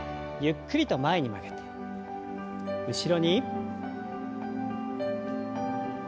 ゆっくりと前に曲げて後ろに。